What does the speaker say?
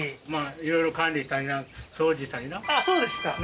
そうですかな